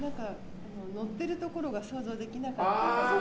乗っているところが想像できなかったです。